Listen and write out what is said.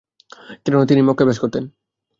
কেননা, তিনিই মক্কায় বসবাস করতেন।